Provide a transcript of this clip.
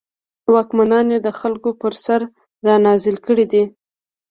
واکمنان یې د خلکو پر سر رانازل کړي دي.